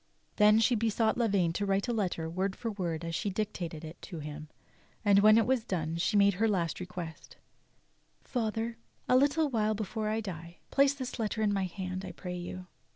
Then she besought Lavaine to write a letter w'ord for word as she dictated it to him, and when that w'as done she made her last request : "Father, a little while before I die, place this letter in my hand, 1 pray you.